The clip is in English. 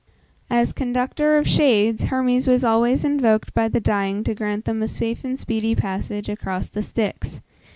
As conductor of shades, Hermes was always invoked by the dying to grant them a safe and speedy passage across the Styx.